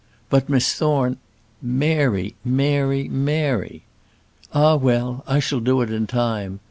But, Miss Thorne " "Mary, Mary, Mary." "Ah, well! I shall do it in time.